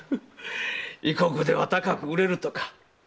異国では高く売れるとか。